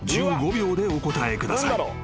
１５秒でお答えください］